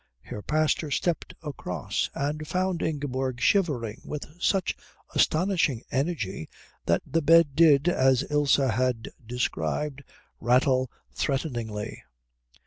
Herr Pastor stepped across, and found Ingeborg shivering with such astonishing energy that the bed did, as Ilse had described, rattle threateningly.